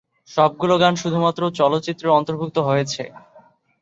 সবগুলো গান শুধুমাত্র চলচ্চিত্রে অন্তর্ভুক্ত হয়েছে।